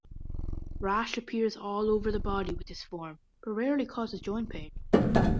Rash appears all over the body with this form, but rarely causes joint pain.